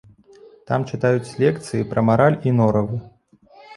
Там чытаюць лекцыі пра мараль і норавы.